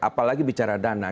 apalagi bicara dana